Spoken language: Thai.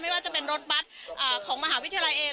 ว่าจะเป็นรถบัตรของมหาวิทยาลัยเอง